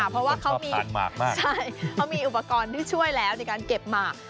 เพราะว่าเขามีอุปกรณ์ที่ช่วยแล้วในการเก็บหมาก